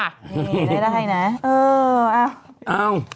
นี่ได้ได้ให้ไหนเออเอ้า